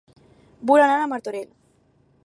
Vull anar a Martorell